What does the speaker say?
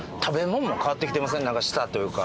なんか舌というか。